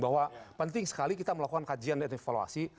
bahwa penting sekali kita melakukan kajian dan evaluasi